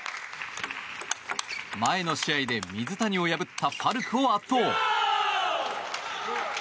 前の試合で水谷を破ったファルクを圧倒！